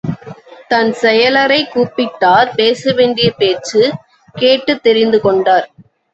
தன் செயலரைக் கூப்பிட்டார் பேசவேண்டிய பேச்சு—கேட்டுத் தெரிந்துகொண்டார்.